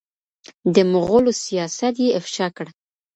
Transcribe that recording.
د مغولو سیاست یې افشا کړ